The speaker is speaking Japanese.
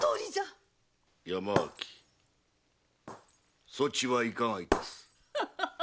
山脇そちはいかがいたす？